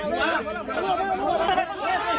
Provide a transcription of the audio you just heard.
ดีนะครับ